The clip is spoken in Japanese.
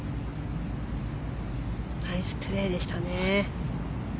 ナイスプレーでしたね。